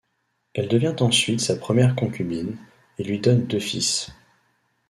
Elle devient ensuite sa première concubine, et lui donne deux fils.